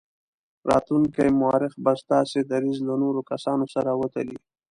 راتلونکی مورخ به ستاسې دریځ له نورو کسانو سره وتلي.